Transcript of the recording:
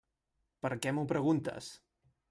Per què m'ho preguntes?